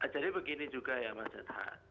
jadi begini juga ya mas zedhat